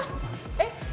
えっ？